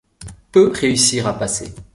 Peu réussirent à passer.